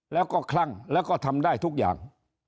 แล้วก็คลั่งแล้วก็ทำได้ทุกอย่าง